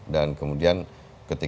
dan kemudian ketika